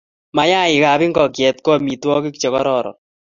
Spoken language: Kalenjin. Mayaikab ngokyet ko amitwokik che kororon